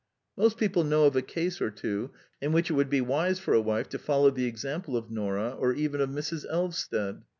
Most people know of a case or two in which it would be wise for a wife to follow the example of Nora or even of Mrs. Elvsted.